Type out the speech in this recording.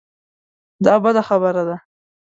دا بده خبره ده.